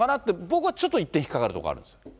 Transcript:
僕はちょっと一点引っ掛かるところがあるんです。